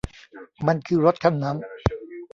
มันคือรถคันนั้น